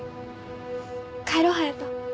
帰ろう隼人。